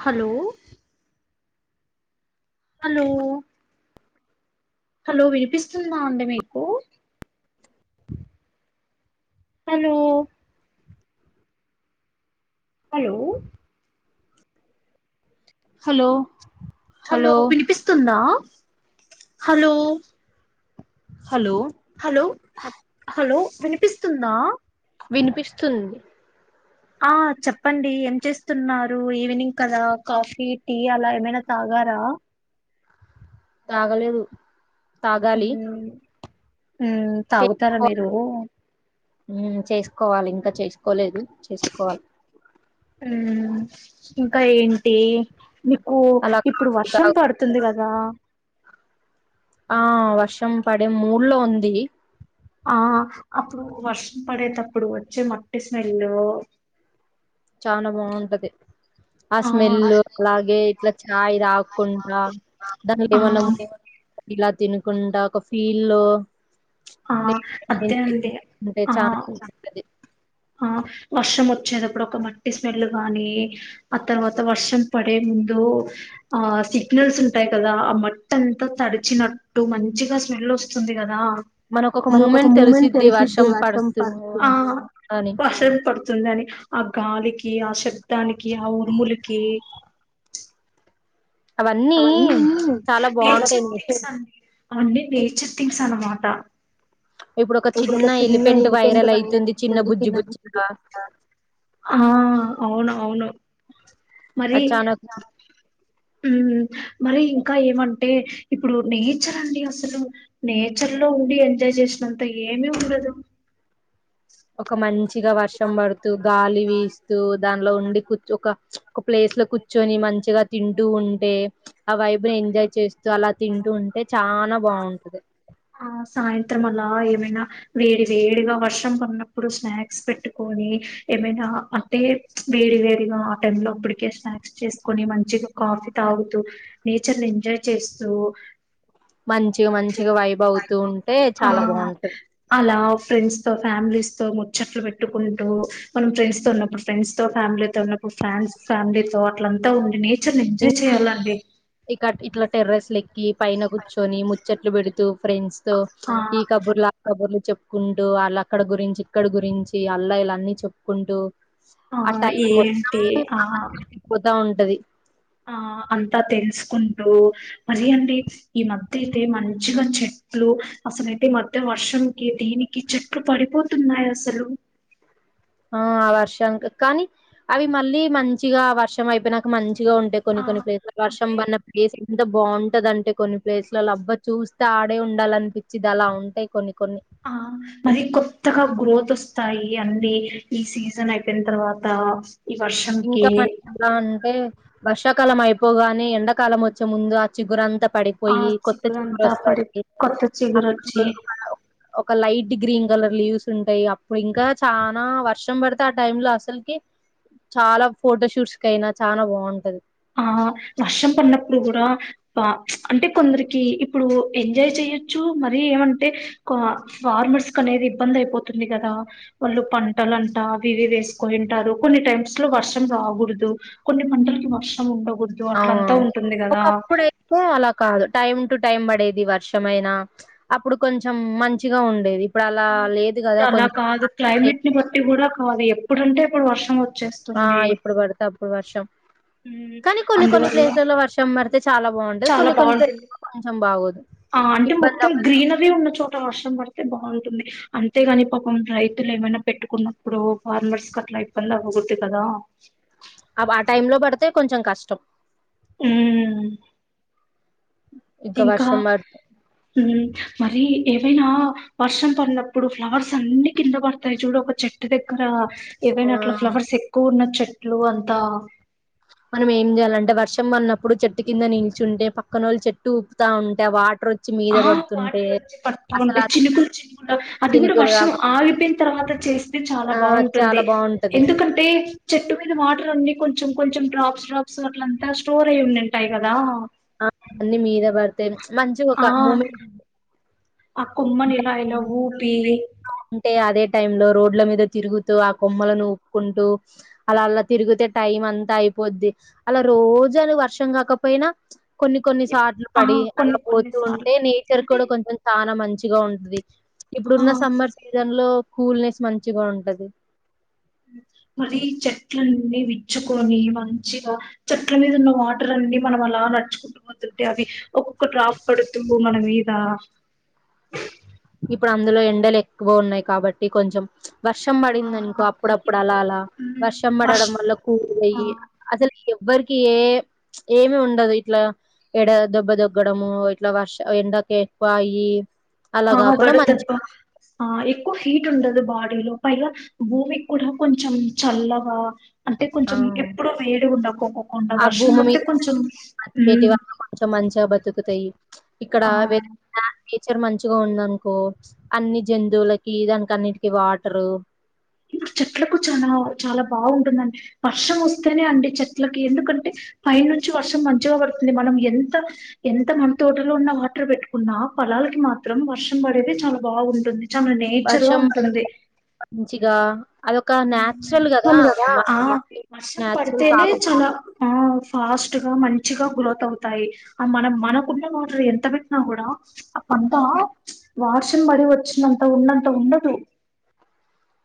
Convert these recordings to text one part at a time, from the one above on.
Hello hello, hello వినిపిస్తుంద అండి మీకు హలో హలో హలో హలో వినిపిస్తుందా హలో హలో హలో అహ్ హలో వినిపిస్తుందా వినిపిస్తుంద్ ఆ చెప్పండి ఏం చేస్తున్నారు, ఈవినింగ్ కదా కాఫీ టీ అలా ఏమైనా తాగారా తాగలేదు ఉ తాగాలి ఉ తాగుతారా చేసుకోవాలి మీరు కోవాలి ఇంకా చేసుకోలేదు, చేసుకోవాల్ ఊ ఇంకా ఏంటి నీకు అలా ఇప్పుడు కాఫీ వర్షం తాగ పడుతుంది కదా ఆ వర్షం పడే మూడ్ లో ఉంది. ఆ అప్పుడు వర్షం పడే తప్ ప్పుడు వచ్చే మట్టి స్మెల్ చాన బావుంటది. ఆ స్మెల్ అలాగే ఇట్లా చాయ్ తాకుంట దానిలో ఆ ఏమన్నా ఇలా తినుకుంటా ఒక ఫీల్ లో ఆ అర్జెంటిగా అంటే ఆ చాలా ఉంటది ఆ వర్షం వచ్చేటప్పుడు ఒక మట్టి స్మెల్ గాని, ఆ తరువాత వర్షం పడిందో ఆ సిగ్నల్స్ ఉంటాయ్, కదా ఆ మట్టింతా తడిచినట్టు మంచిగా స్మెల్ వస్తుంది గదా ఆ మనకు ఒక మూమెంట్ తెలిసిద్ది వర్షం పడుతుంది అని వర్షం పడ్ తుందని ఆ గాలికి ఆ శ్ త్తానికి ఆ ఉరుములకి అవన్నీ చ్ చాలా బావుంటయింది. అన్నీ నేచర్ థింగ్స్ అనమాట ఇప్పుడు ఒక చిన్న ఎలిఫెంట్ వైరల్ అయితుంది చిన్న బుజ్జి బుజ్జిగా ఆ అవును అవును మరి అది చానా అచ ఉ మరి ఇంకా ఏమంటే ఇప్పుడు నేచర్ అండి అసలు, నేచర్ లో ఉండి ఎంజాయ్ చేసి అంతా ఏమీ ఉండదు. ఒక మంచ్ గా వర్షం పడుతూ గాలి వీస్తూ దానిలో ఉండి కూచ్ ఒక చ్ ఒక ప్లేస్ లో కూర్చొని మంచిగా తింటూ ఉంటే చ్ ఆ వైబ్ ని ఎంజాయ్ చేస్ అలా తింటూ ఉంటే చానా బావుంటది. త్రం అలా ఏమైనా వేడి వేడిగా వర్షం పడినప్పుడు స్నాక్స్ పెట్టుకొని ఏమైనా అంటే ప్చ్ వేడి వేడిగా ఆ టైమ్ లో అప్పడికే స్నాక్స్ చేసుకొని మంచిగా కాఫీ తాగుతూ నేచర్ని ఎంజాయ్ చేస్ తూ మంచిగ మంచిగ వైబ్ అవుతూ ఉంటే ఆ! చాలా బాగుంటది అలా ఫ్రెండ్స్ తో ఫ్యామిలీస్ తో ముచ్చట్లు పెట్టుకుంటూ మనం ఫ్రెండ్స్ తో ఉన్నప్పుడు ఫ్రెండ్స్ తో, ఫ్యామిలీతో ఉన్నప్పుడు ఫ్యామ్స్ ఫ్యామిలీ తో అట్లంతా ఉండి నే చర్ ని ఎంజాయ్ ఇంకా చేయాలండి ఇక ఇట్ల టెర్రెస్ లెక్ కి పైన కూర్చొని ముచ్చట్లు పెడు తూ ఫ్రెండ్స్ తో ఆ ఈ కబుర్లు ఆ కబుర్లు చెప్పుకుంటూ వాళ్ళు అక్కడ గురించి ఇక్కడ గురించి అల్లా ఇలా అన్ని చెప్పుకుంటూ ఆ ఏంటి ఆ టది ఆ అంతా తెలుసుకుంటూ మరి అండి ఈ మధ్య అయితే మంచిగా చెట్లు అసలైతే ఈ మధ్య వర్షంకి దీనికి చెట్లు పడిపోతున్నాయి అస్సలు. ఆ ఆ వర్షానికి కానీ అవి మళ్ళీ మంచిగా వర్షం అయిపోయినాక మం చిగా ఉంటాయి ఆ కొన్ని కొన్ని ప్లేస్ లు వర్షం అంటే పడినప్ ఏసి ఎంత బాగుంటది అంటే కొన్ని ప్లేస్లలో అబ్బా చూస్తే ఆడే ఉండాలనిపిచ్చిది అలా ఉంటాయి కొన్ని కొన్ని ఆ మరి కొత్తగా గ్రోత్ వస్ స్తాయి అన్ని ఈ సీజన్ అయిపోయిన తర్వాత ఈ వర్షంకి ఇంకా [inaudible] అంటే వర్షాకాలం అయిపోగానే ఎండకాలం వచ్చే ముందు ఆ చిగురంతా ఆ పడిపోయి కొత్త చిగురు చిగురంతా పడి వస్తాయి కొత్త చిగురొచ్చి [inaudible] ఒక లైట్ గ్రీన్ గల లీవ్స్ ఉంటాయి అప్పుడు ఇంకా చానా వర్షం పడితే ఆ టైమ్ లో అసలకె చాలా ఫోటో షూట్స్కైన చానా బాగుంటది ఆ వర్షం పడినప్పుడు కూడా ఆ అంటే కొందరికి ఇప్పుడు ఎంజాయ్ చెయొచ్చు మరి ఏమంటే ఫార్మర్స్ కి అనేది ఇబ్బంది అయిపోతుంది కదా వాళ్ళు పంటలాంట అవి ఇవివి వేసుకోయింటారు కొన్ని టైమ్స్ లో వర్షం రాకూడదు కొన్ని పంటలకి వర్షం [unintelligible] ఉండవు అవు ఒకప్పుడయితే అలా కాదు టైం టు టైం పడేది వర్షం అయినా అప్పుడు కొంచెం మంచిగా ఉండేది ఇప్పుడు అలా ఆ లేదు కదా ఇప్పుడు అలా కొంచెం కాదు క్లైమేట్ ని బట్టి కూడా కాదు ఎప్ ప్పుడంటే ఎప్పుడు వర్షం వ ఆ ఇప్పుడు పడతే అప్పుడు వర్షం ఉమ్, కానీ కొన్ని కొన్ని అందువల్ల ప్లేసులల్లో వర్షం పడితే చాలా బాగుంటది చాలా కొన్ని కొన్ని బాగుంటుంది ప్లేసుల్లో కొంచెం బాగోదు ఆ అంటే ఇబ్బంది మొత్తం గ్రీనరీ ఉన్న చోట వర్షం పడ్ బాగుంటుంది అంతేగాని పాపం రైతులు ఏమైనా పెట్టుకున్నప్పుడు ఫార్మర్స్ కట్లా ఇబ్బంది అవ్వకూడదు కదా అవా టైం లో పడితే కొంచెం కష్టం హుమ్ ఇంకా వర్షం పడితే హుమ్ మరి ఏవైనా వర్షం పడినప్పుడు ఫ్లవర్స్ అన్ని కింద పడతాయి చూడు ఒక చెట్టు దగ్గర ఆ ఏవైనా అట్లా ఫ్లవర్స్ ఎక్కువ ఉండొచ్చ ట్లు అంతా మనం ఏం చేయాలంటే వర్షం వన్నప్పుడు చెట్టు కింద నిల్చుంటే పక్కనొళ్ చెట్టు ఊపుతా ఉంటే ఆ వాట్రు. ఆ వాటర్ వచ్చి పడతా ఉంటే ఆ చినుకులు చినుకుంటా అది కూడా చినుకులు వర్షం కాబట్టి ఆగి పేయిన తర్వాత చేస్తే చాలా ఆ చాలా బాగుంటుంది బాగుంటది ఎందుకంటే చెట్టు మీద వాట్ రొన్ని కొంచెం కొంచెం డ్రాప్స్ డ్రాప్స్ అట్లంతా స్టోర్ అయి ఉన్నింటాయ్ గదా అ అన్ని మీద పడితేనే ఆ ఆ కొమ్మని ఇలా ఇలా ఊపి టే అదే టైం లో రోడ్ల మీద తిరుగుతూ ఆ కొమ్మలను ఊపుకుంటూ అలా అలా తిరుగితే టైం అంతా అయిపోద్ది అలా రోజులు వర్షం రాకపోయినా ప్చ్. కొన్ని ఎప్ కొన్నిసాట్లు ఆ! పడి అలా కొన్ని కొన్ని పోతూ సార్లు ఉంటే నేచర్ అంటే కూడా కొంచెం చానా మంచి తిగా ఉంటది ఆ! ఇప్పుడున్న సమ్మర్ సీజన్ లో కూల్ నెస్ మంచిగా ఉంటది మరి చెట్లన్నీ విచ్చుకొని మంచిగా చెట్ల మీద ఉన్న వాటర్ అన్ని మనం అలా నడుచుకుంటూ పోతుంటే అవి ఒక్కొక్క డ్రాప్ పడుతుంది మన మీద ఇప్పుడు అందులో ఎండలు ఎక్కువ ఉన్నాయి కాబట్టి కొంచెం ప్చ్ వర్షం పడిందనుకో ఆహా అప్పుడప్పుడు ఇప్పుడు అలా అలా మ్మ్ వర్షం పడడం వల్ల కూ పడుతు ఆ అయ్యి అసలు ఎ ఎవరికి ఏ ప్చ్ ఏమి ఉండదు ఇట్లా ఎడ దెబ్బ దొగ్గడము ఇట్లా వర్ష ఎండకి ఎక్కువయి ఆ గడుతప్ప ఆ ఎక్కువ హీట్ ఉండదు బాడీలో పైగా భూమి కూడా కొంచెం చల్లవా అంటే ఆ కొంచెం ఎప్పుడూ వేడి ఉండకొకోకుండా ఆ వర్షం భూమి పడితే మీద కొంచెం తయ్ ప్చ్ ఇక్కడ ఆ వె నేచర్ మంచిగా ఉందనుకో ప్చ్ అన్ని జంతువులకి దానికి అన్నిటికి వాటరు ఇప్పుడు చెట్లకు చాలా చాలా బాగుంటుందండి వర్షం వస్తేనే అండి చెట్లకి ఎందుకంటే పై నుంచి వర్షం మంచిగా పడుతుంది. మనం ఎంత ఎంత మన తోటలో ఉన్న వాటర్ పెట్టుకున్నా పొలాలకి మాత్రం వర్షం పడేది చాలా బాగుంటుంది. చాల నేచర్ గా వర్షం పడితే ఉంటుంది మంచిగా అదొక నేచురల్ గదా! మ ఆ వర్షం నేచురల్ పడితేనే కాకపో చాల ఆ ఫాస్ట్ గా మంచిగా గ్రోత్ అవుతాయి, ఆ మనం మనకున్న వాటర్ ఎంత పెట్టినా కూడా ప్చ్ అద్దా ప్చ్ వార్షంబడి వచ్చినంత ఉన్నంత ఉండదు.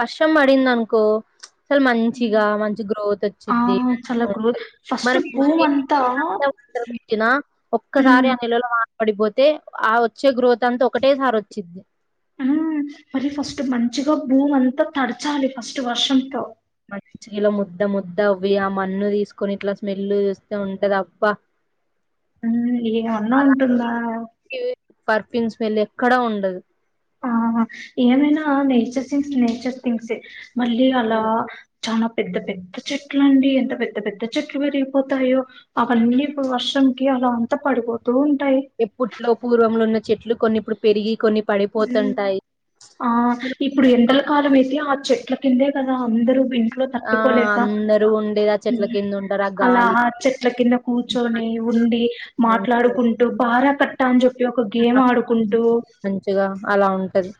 వర్షం బడింది అనుకో ప్చ్ సలు మంచిగా మంచి గ్రోత్ ఆ వచ్చిద్ది చాలా గ్రోత్ ఫస్ట్ భూమి అంతా [unintelligible] ఒక్కసారి ఉమ్ ఆ [unintelligible] పడిపోతే ఆ వచ్చే గ్రోత్ అంతా ఒకటేసారి వచ్చిద్ది మ్మ్ మరి ఫస్ట్ మంచిగా భూమి అంతా తడచాలి ఫస్ట్ వర్షంతో మంచిగలో ముద్ద ముద్ద అవ్వి ఆ మన్ను తీసుకొని ఇట్లా స్మెల్ చూస్తూ ఉంటంది అబ్బా మ్ ఏవన్నా ఉంటుందా పిన్స్ మెల్ ఎక్కడ ఉండదు ఆహా ఏమైనా నేచర్ థింగ్స్ నేచర్ థింగ్సే మళ్ళీ అలా చాలా పెద్ద పెద్ద చెట్లండి ఎంత పెద్ద పెద్ద చెట్లు పెరిగిపోతాయో అవన్నీ ఇప్పుడు వర్షంకి అలా అంత పడిపో ఎప్పుట్లో పూర్వంలో ఉన్న చెట్లు కొన్ని ఇప్పుడు పెరిగి కొన్ని హుమ్ పడిపోతుంటాయి. ఆ ఇప్పుడు ఎండల కాలం అయితే చెట్ల కిందే కదా అందరు కుర్చు ఇంట్లో ఆ! తట్టుకోలేక అందరూ ఉండేది ఆ చెట్ల కింద ఉంటారు. ఆ అలా గాలి చెట్ల కింద కూర్చొని ఉండి మాట్లాడుకుంటూ బారా కట్ టంజు ఒక గేమ్ ఆడుకుంటూ గా అలా ఉంటది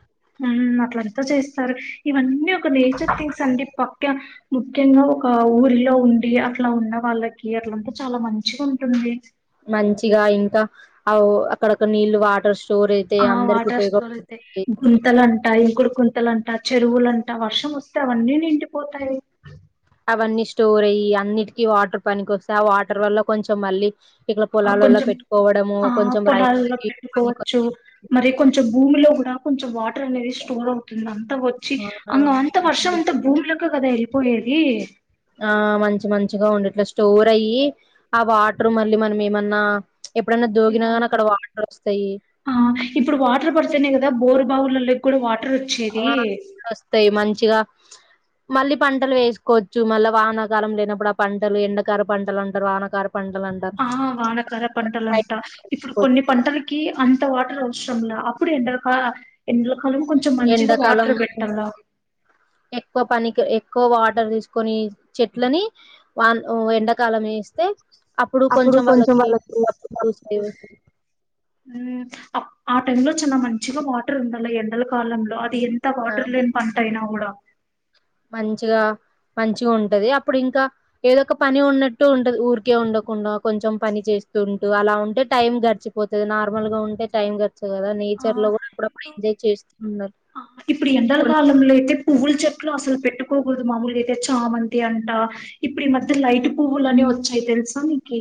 హుమ్ అట్లంత చేస్తరు ఇవన్నీ ఒ క నేచర్ తింగ్స్ అండి పక్ ముఖ్య ముఖ్యంగా ఒక ఊరిలో ఉండి అట్లా ఉన్న వాళ్ళకి అట్లంతా చాలా మంచిగా ఉంటుంది మంచిగా ఇంకా అవ్ అక్కడక్కడ నీళ్ళు వాటర్ స్టోర్ అయితాయి. ఆ అందరికి వాటర్ స్టోర్ అయితే ఉపయోగపడతాయి. గుంతలంటా ఇంకుడు గుంతలం ట చెరువులంటా వర్షం వస్తే అవన్నీ నిండిపోతాయ్ వన్నీ స్టోర్ అయ్యి అన్నిటికి వాటర్ పనికి వస్తాయ్ ఆ వాటర్ వల్ల కొంచెం మళ్ళీ ఇట్లా ఆ పొలాలలో కొంచెం పెట్టుకోవడము, ఆ కొంచెం పొలాల్లో రైతులకి పెట్టుకోవచ్చు పనికొచ్చేది. మరీ కొంచెం భూమిలో కూడ కొంచెం వాట్ ర్ అనేది స్టోర్ ఉంటుంది అంత వచ్చి ఆ! అ వర్షం ఇప్పుడు అంత భూమి లోకి కదా ఎలిపోయేది ఆ మంచి మంచిగా ఉండిట్లా స్టోర్ అయ్యి ఆ వాటర్ మళ్ళీ మనం ఏమన్నా ప్చ్ ఎప్పుడన్న ఏదానికి దోగినాగానీ అక్కడ వాటర్ వస్తాయ్ కదా బోరు బావుల లోకి కూడ వా ఆ వస్తాయ్ మంచిగా మళ్ళీ పంటలు వేసుకోవచ్చు మళ్ళా వానాకాలం లేనప్పుడు ఆ పంటలు ఎండకారు పంటలు అంటారు వానకార పంటలు అంటారు ఆ వానకార పంటలంట ఇప్పుడు కొన్ని పంటలకి అంత వాటర్ అవసర్ ఉన్న అప్పుడు ఎండలక ఎండ్లకాలం కొంచెం మంచిగ ఎండాకాలం వాటర్ పెట్టాల ఎక్కువ పనికి ఎక్కువ వాటర్ తీసుకొని చెట్లని వా ఎండాకాలం వేస్తే అప్పుడు కొంచెం కొంచం వాళ్ళకి వాల్లకి ఆ టైమ్ లో చాన మంచిగా వాటర్ ఉండాల ఎండల కాలంలో అది ఎంత ఆ వాటర్ లేని పంట అయినా ఒకటి కూడా మంచిగా మంచిగా ఉంటది అప్పుడు ఇంకా ఏదో ఒక పని ఉన్నట్టు ఉంటది ఊరికే ఉండకుండా కొంచెం పని చేస్తుంటూ అలా ఉంటే టైం గడిచిపోతది నార్మల్గా ఉంటే టైం గడ్ కదా ఆ! నేచర్ లో కూడా అప్పుడప్పుడు ఇప్పుడు ఎంజాయ్ చేస్తూ ఉండాలి ఆ! కొన్ని ట్లొ అసలు పెట్టుకోకుడ్దు మామూల్గైతె చామంతి అంట ఇప్పుడు ఈ మధ్య లైట్ పువ్వులని వోచ్చాయి తెలుసా నీకి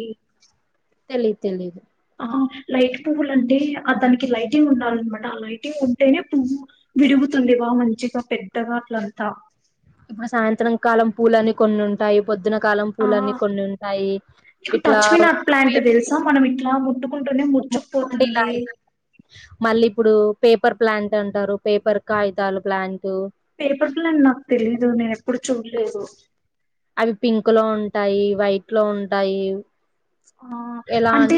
తెలిద్ తెలిదు ఆ లైట్ పువ్వులంటే ఆ దనికి లైటింగ్ ఉండాలనమాట ఆ లైటింగ్ ఉంటేనే పువ్వు విరుగుతుంది వా మంచిగా పెద్దగా అట్లంతా మన సాయంత్రం కాలం పూలని కొన్ని ఉంటాయి పొద్దున కాలం ఆ! పూలని కొన్ని ఉంటాయి ఇట్లా వె ట్లా ముట్టు ముకుంటిలా అయి మళ్ళీప్పుడూ పేపర్ ప్లాంట్ అంటారు పేపర్ కాగితాల ప్లాంటు పేపర్ప్లన్ నాకు తెలీదు నేనేప్పుడు చూలేదు వి పింక్ లో ఉంటాయి, వైట్ లో ఉంటాయి ఆ అంటే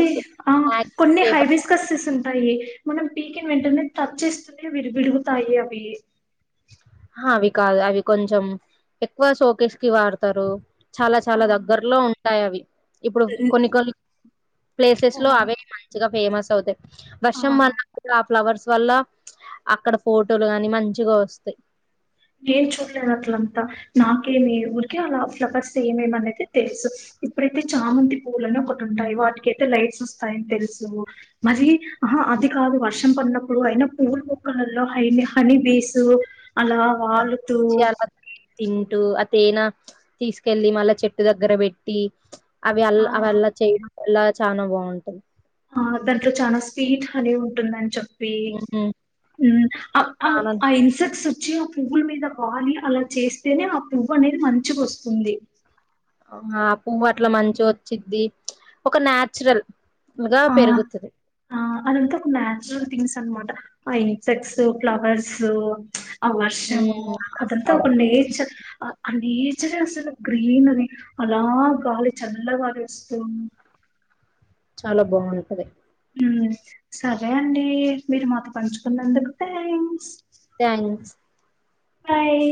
ఆహ్ మ్యాగ్ కొన్ని పేపర్ హైబిస్కసేస్ సు టాయి మనం పీకిన వెంటనే టచ్ చేస్తూనే విరు విరుగుతాయి అవ్వి ఆహా అవి కాదు అవి కొంచెం ఎక్కువ షోకేస్ కి వాడ్తారు చాల ఆ! చాల దగ్గర్లో ఉన్ టాయ్ అవి ఇప్పుడు సరే. కొన్ని కొన్ ప్లేసెస్ లో ఓహో! అవె మంచిగ ఫేమస్ అవుతయ్ వర్షం ఆ! మన్నా కూడ ఫ్లవర్స్ వల్ల అక్కడ ఫోటోలు గాని మంచిగ ఒస్తయి నేన్ చుల్లేదు అట్లంతా నాకే మీర్ ఊరికె అలా ఫ్లవర్స్ ఏమేమనేది తెల్సు ఇప్పుడైతే చామంతి పూలని ఒకటి ఉంటాయి వాటికైతే లైట్స్ ఒస్తాయ్ తెల్సూ మరి ఆహ అది కాదు వర్షం పడినప్పుడు అయినా పువుల మోక్కలల్లో హైని హనీ బీసూ అలా వాలు చాల తీ తింటూ అ తేన తీస్కెల్లి మళ్ళ చెట్టు దగ్గర బెట్టి అవి అల్ ఆ అవల్ల చేయ్ అల చనా బాగుంటది ఆ దాంట్లొ చాన స్పీట్ హాని ఉంటుందని చెప్ ప్పీ హమ్ అ అ చాలా ఆ ఇన్సెక్ట్స్ చ్చి ఆ పువ్వుల్మీద వాలి అలా చేస్తేనే ఆ పువ్వు అనేది మంచిగొస్తుంది ఆ పువ్వు అట్ల మంచిగ ఒచ్చిద్ది ఒక నాచురల్ గా ఆ పెరుగుతది అ అదంతా ఒక న్యాచురల్ థింగ్స్ అన మా ఆ ఇన్సెక్ట్స్, ఫ్లవర్సు ఆ వర్షము హ్మ్. అలా అదంత ఒక కావడం నేచర్ అ నేచరే అసలు గ్రీనరి అలా గాలి చల్లగాలి ఒస్తూ చాల బాగుంటది ఉమ్ సరే అండీ మీరు మాతొ పంచుకున్నందుకు థ్యాంక్స్ థ్యాంక్స్ అయ్